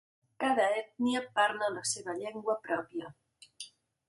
Cada ètnia parla la seva llengua pròpia.